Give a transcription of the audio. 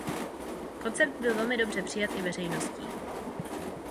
Koncept byl velmi dobře přijat i veřejností.